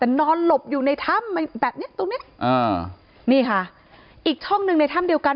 แต่นอนหลบอยู่ในถ้ำแบบเนี้ยตรงเนี้ยอ่านี่ค่ะอีกช่องหนึ่งในถ้ำเดียวกัน